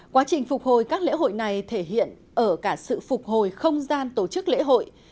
quá trình phục hồi các lễ hội này thể hiện ở cả sự phục hồi không gian tổ chức lễ hội